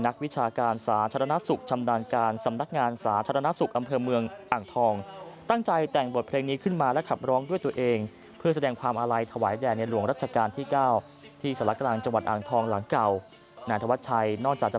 นักวิชาการสาธารณสุขจังหวัดอ่างทองแต่งเพลงขึ้นมาแล้วร้องแดงในหลวงรัชกาลที่เก้า